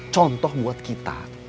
contoh buat kita